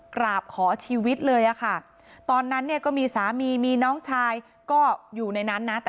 กราบขอชีวิตเลยอะค่ะตอนนั้นเนี่ยก็มีสามีมีน้องชายก็อยู่ในนั้นนะ